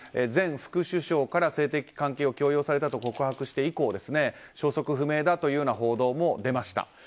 前副首相から性的関係を強要されたと告白して以降消息不明だという報道も出ました。